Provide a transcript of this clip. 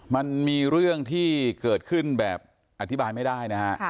มันมีเรื่องที่เกิดขึ้นแบบอธิบายไม่ได้นะฮะ